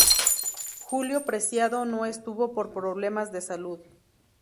Julio Preciado no estuvo por problemas de salud.